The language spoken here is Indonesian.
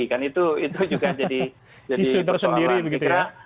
kan itu juga jadi persoalan kita